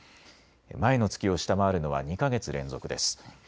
前の月を下回るのは２か月連続です。